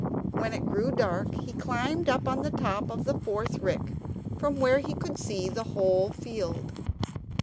When it grew dark he climbed up on the top of the fourth rick, from where he could see the whole field.